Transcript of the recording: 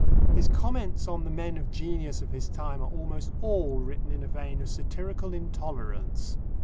His comments on the men of genius of his time are almost all written in a vein of satirical intolerance.